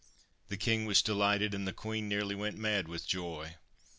The King was delighted, and the Queen nearly went mad with joy.